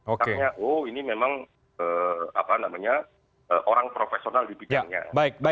oh ini memang orang profesional dibikinnya